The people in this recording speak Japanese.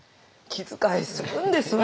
気遣いするんです私